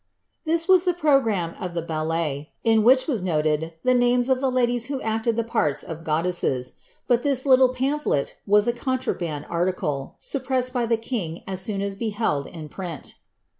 "' This ivas the programme of the Idle;, in which was noted the names of the ladies who acted the parts ofW desses ; but this little pamphlet was a conirnband arlicle. suppressed hr the king as soon as beheld in print.